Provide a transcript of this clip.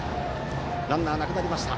ランナー、なくなりました。